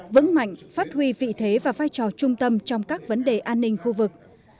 vững mạnh phát huy vị thế và vai trò trung tâm trong các vấn đề an ninh khu vực